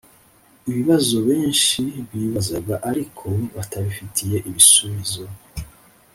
Ibibazo benshi bibazaga ariko batabifitiye ibisubizo.